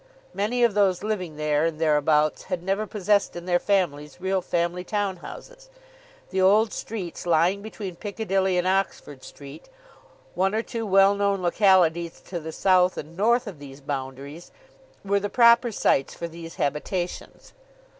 Many of those living there and thereabouts had never possessed in their families real family town houses. The old streets lying between Piccadilly and Oxford Street, with one or two well known localities to the south and north of these boundaries, were the proper sites for these habitations.